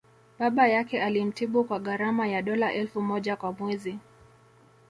Baba yake alimtibu kwa gharama ya dola elfu moja kwa mwezi